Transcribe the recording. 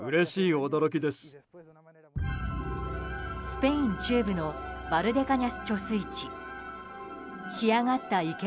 スペイン中部のバルデカニャス貯水池。